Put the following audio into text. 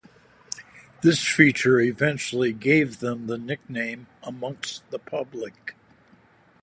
This feature eventually gave them the nickname amongst the public.